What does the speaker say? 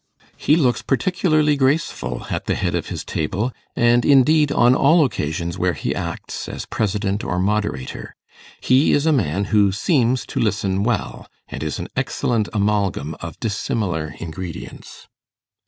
He looks particularly graceful at the head of his table, and, indeed, on all occasions where he acts as president or moderator: he is a man who seems to listen well, and is an excellent amalgam of dissimilar ingredients.